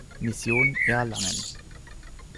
Mission Erlangen".